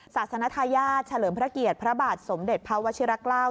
ศาสนทายาทเฉลิมพระเกียรติพระบาทสมเด็จพระวชิระเกล้า